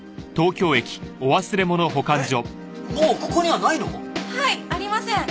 はいありません。